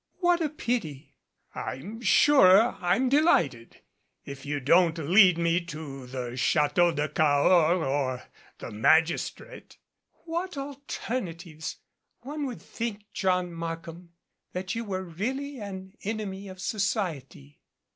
What a pity !" "I'm sure I'm delighted if you don't lead me to the Chateau de Cahors or the magistrate." "What alternatives! One would think, John Mark ham, that you were really an enemy of society."